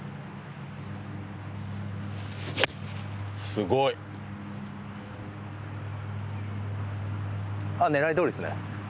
すごい！狙いどおりですね。